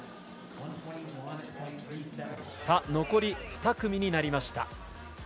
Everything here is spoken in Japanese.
残り２組になりました。